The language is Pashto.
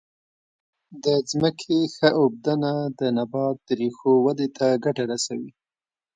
د ځمکې ښه اوبدنه د نبات د ریښو ودې ته ګټه رسوي.